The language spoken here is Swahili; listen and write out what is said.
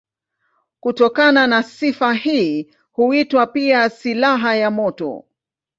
Kutokana na sifa hii huitwa pia silaha ya moto.